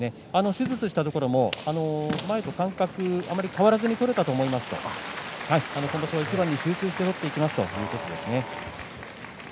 手術したところも前と感覚あまり変わらずに取られたと思います、今場所一番に集中していきますと話しています。